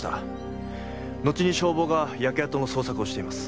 のちに消防が焼け跡の捜索をしています。